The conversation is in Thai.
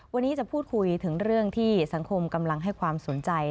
วันนี้จะพูดคุยถึงเรื่องที่สังคมกำลังให้ความสนใจ